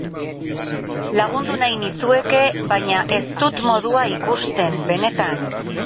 Lagundu nahi nizueke, baina ez dut modua ikusten, benetan.